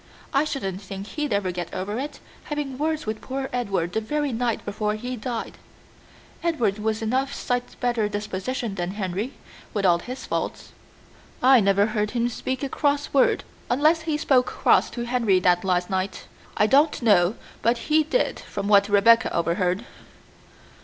I shouldn't think he'd ever get over it, having words with poor Edward the very night before he died. Edward was enough sight better disposition than Henry, with all his faults." "I never heard him speak a cross word, unless he spoke cross to Henry that last night. I don't know but he did from what Rebecca overheard."